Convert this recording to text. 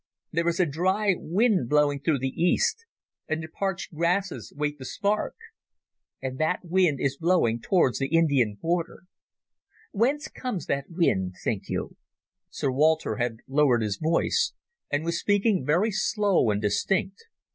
There is a dry wind blowing through the East, and the parched grasses wait the spark. And that wind is blowing towards the Indian border. Whence comes that wind, think you?" Sir Walter had lowered his voice and was speaking very slow and distinct.